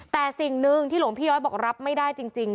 แต่สิ่งหนึ่งที่หลวงพี่ย้อยบอกรับไม่ได้จริง